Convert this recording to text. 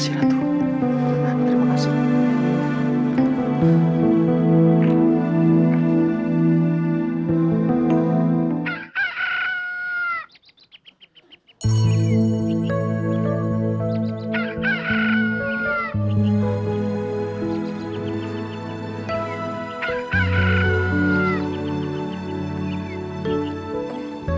tidak ada bunyi kacing